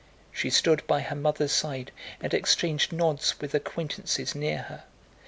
She stood by her mother's side and exchanged nods with acquaintances near her.